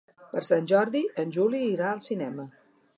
Per Sant Jordi en Juli irà al cinema.